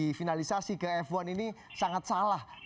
difinalisasi ke f satu ini sangat salah